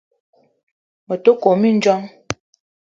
Me te kome mindjong.